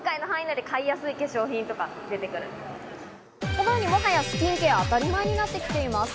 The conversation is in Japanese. このように、もはやスキンケアは当たり前になってきています。